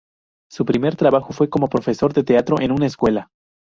Su primer trabajo fue como profesor de teatro en una escuela.